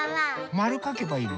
まるかけばいいの？